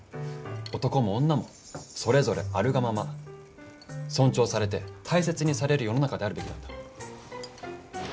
男も女もそれぞれあるがまま尊重されて大切にされる世の中であるべきなんだ。